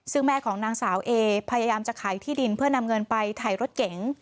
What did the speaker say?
ซึ่งแม่ของนางสาวเอพยายามจะขายที่ดินเพื่อนำเงินไปถ่ายรถเก๋ง